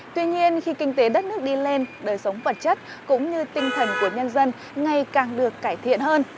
tuy nhiên khi kinh tế đất nước đi lên đời sống vật chất cũng như tinh thần của nhân dân ngày càng được cải thiện hơn